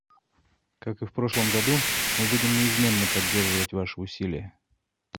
Как и в прошлом году, мы будем неизменно поддерживать ваши усилия.